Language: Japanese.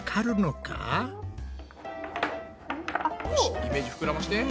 イメージふくらまして。